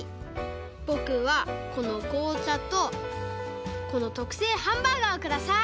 ぼくはこのこうちゃとこのとくせいハンバーガーをください！